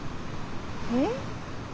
えっ？